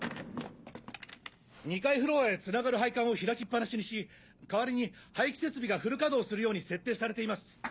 ２階フロアへつながる配管を開きっ放しにし代わりに排気設備がフル稼働するように設定されています。